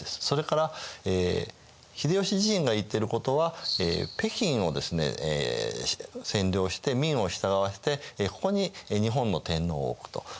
それから秀吉自身が言ってることは北京を占領して明を従わせてここに日本の天皇を置くと。